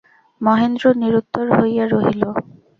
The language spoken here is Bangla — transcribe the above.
মহেন্দ্র নিরুত্তর হইয়া রহিল।